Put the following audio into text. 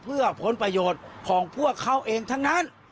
เพื่อผลประโยชน์ของพวกเขาเองทั้งนั้น